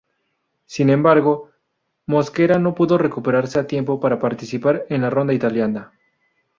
Sin embargo, Mosquera no pudo recuperarse a tiempo para participar en la ronda italiana.